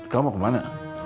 kamu mau kemana